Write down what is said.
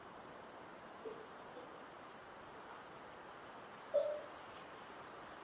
The Christopher Street Liberation Day March became what is now referred to as Pride.